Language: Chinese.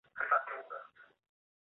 后由吴棐彝接任。